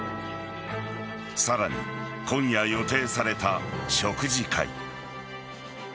さらに、今夜予定された食事会。